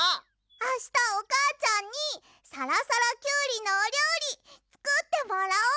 あしたおかあちゃんにさらさらキュウリのおりょうりつくってもらおう！